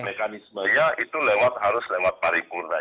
mekanismenya itu lewat harus lewat paripurna